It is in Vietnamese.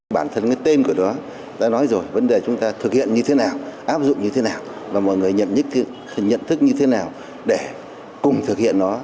bản thân cái tên của nó đã nói rồi vấn đề chúng ta thực hiện như thế nào áp dụng như thế nào và mọi người nhận thức như thế nào để cùng thực hiện nó